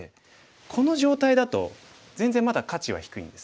この状態だと全然まだ価値は低いんです。